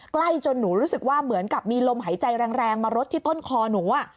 ใกล้จนหนูรู้สึกว่าเหมือนกับมีลมหายใจแรงมารดที่ต้นคอหนู